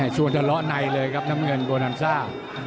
ชวนละไหนเลยครับน้ำเงินโบนัสซ่า